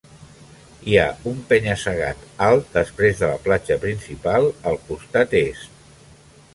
Hi ha un penya-segat alt després de la platja principal al costat est.